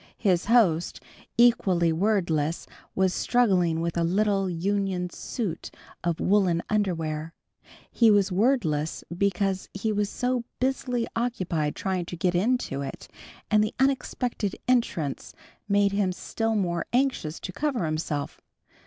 His host, equally wordless, was struggling with a little union suit of woolen underwear. He was wordless because he was so busily occupied trying to get into it, and the unexpected entrance made him still more anxious to cover himself.